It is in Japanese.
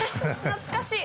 懐かしい。